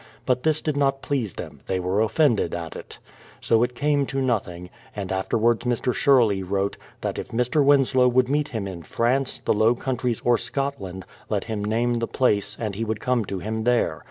But this did not please them; they were offended at it. So it came to nothing; and afterwards Mr. Sherley wrote, that if Mr. Winslow would meet him in France, the Low Coun tries, or Scotland, let him name the place, and he would come to him there.